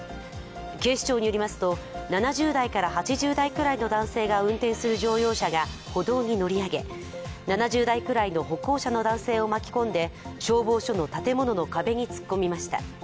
警視庁によりますと、７０代から８０代くらいの男性が運転する乗用車が歩道に乗り上げ、７０代くらいの歩行者の男性を巻き込んで消防署の建物の壁に突っ込みました。